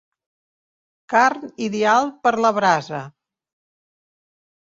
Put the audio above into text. Carn ideal per a la brasa.